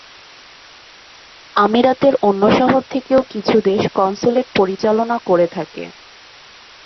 আমিরাতের অন্য শহর থেকেও কিছু দেশ কনস্যুলেট পরিচালনা করে থাকে।